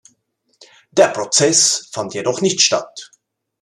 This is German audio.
Der Prozess fand jedoch nicht statt.